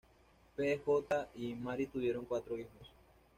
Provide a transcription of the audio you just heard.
P. J. y Mary tuvieron cuatro hijos.